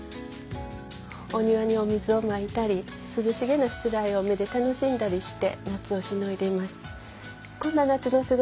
お庭にお水をまいたりすずしげなしつらえを目で楽しんだりして夏をしのいでいます。